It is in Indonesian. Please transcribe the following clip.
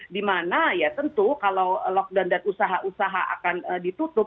dimana ya tentu kalau lockdown dan usaha usaha akan ditutup